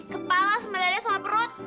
kepala sama dada sama perut